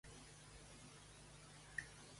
Qui menciona que pertanyen a aquest partit polític?